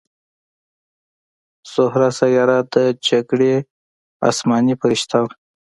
زهره سیاره د جګړې اسماني پرښته وه